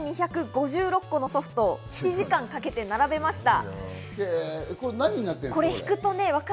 ４２５６個ソフトを７時間かけて並べました。